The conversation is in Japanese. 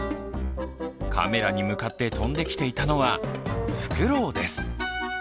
カメラに向かって飛んできていたのはフクロウです。